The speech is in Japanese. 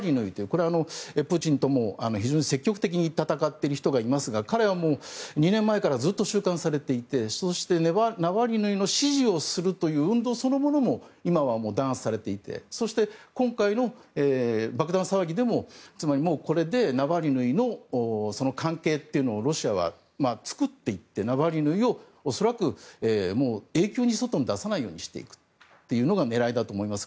これはプーチンとも積極的に戦っている人がいますが彼は２年前からずっと収監されていてそしてナワリヌイの支持をするという運動そのものも今は弾圧されていてそして今回の爆弾騒ぎでもつまり、もうこれでナワリヌイのその関係をロシアは作っていってナワリヌイを恐らくもう永久に外に出さないようにしていくというのが狙いだと思います。